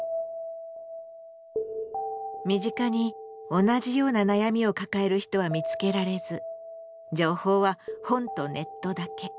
身近に同じような悩みを抱える人は見つけられず情報は本とネットだけ。